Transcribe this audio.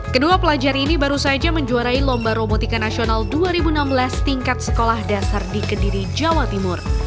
kedua pelajar ini baru saja menjuarai lomba romotika nasional dua ribu enam belas tingkat sekolah dasar di kediri jawa timur